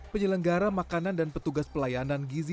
penyelenggara makanan dan petugas pelayanan gizi